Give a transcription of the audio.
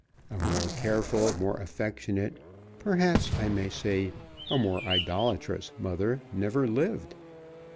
A more careful, more affectionate, perhaps, I may say, a more idolatrous mother never lived.